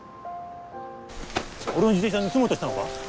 俺の自転車盗もうとしたのか？